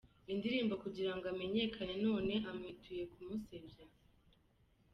indirimbo kugira ngo amenyekane none amwituye kumusebya.